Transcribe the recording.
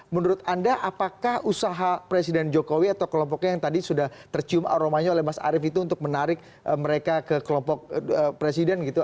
menurut anda apakah usaha presiden jokowi atau kelompoknya yang tadi sudah tercium aromanya oleh mas arief itu untuk menarik mereka ke kelompok presiden gitu